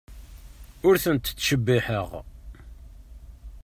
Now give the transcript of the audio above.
Ur tent-ttcebbiḥeɣ.